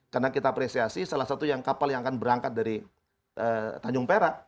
karena kita apresiasi salah satu kapal yang akan berangkat dari tanjung perak